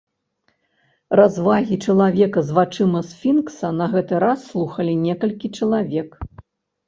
Развагі чалавека з вачыма сфінкса на гэты раз слухалі некалькі чалавек.